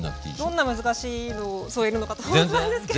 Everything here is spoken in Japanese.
どんな難しいのを添えるのかと思ったんですけど。